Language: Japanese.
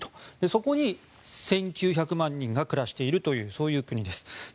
そこに１９００万人が暮らしているという国です。